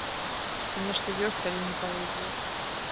Ці нешта ёсць, але не паэзія.